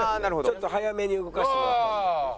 ちょっと早めに動かしてもらったんで。